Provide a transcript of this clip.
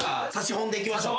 ほんでいきましょう。